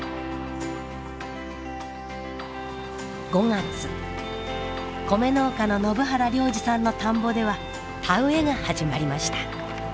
５月米農家の延原良治さんの田んぼでは田植えが始まりました。